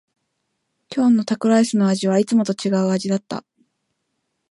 今日のタコライスの味はいつもと違う味だった。